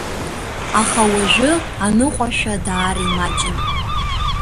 Аха уажәы аныҟәашәа даара имаҷын.